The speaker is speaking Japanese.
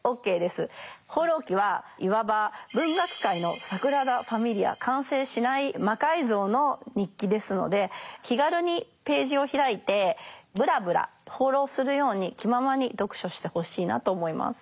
「放浪記」はいわば完成しない魔改造の日記ですので気軽にページを開いてブラブラ放浪するように気ままに読書してほしいなと思います。